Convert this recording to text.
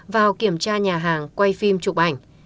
vào kiểm tra nhà hàng quay phim chụp ảnh